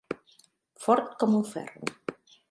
Fort com un ferro.